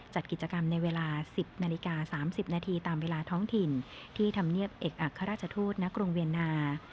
จัดกิจกรรมในเวลา๑๐นาฬิกา๓๐นาทีตามเวลาท้องถิ่นที่ธรรมเนียบเอกอัครราชทูตณกรุงเวียนนา